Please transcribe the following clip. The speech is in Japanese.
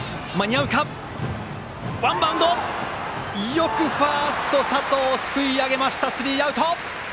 よくファーストの佐藤がすくい上げてスリーアウト。